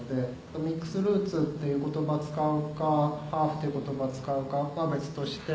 「ミックスルーツ」っていう言葉使うか「ハーフ」っていう言葉使うかは別として。